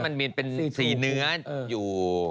มันมีเป็นสีเนื้ออยู่